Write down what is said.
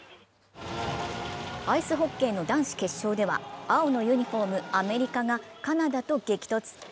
アイスホッケーの男子決勝では青のユニフォーム、アメリカがカナダと激突。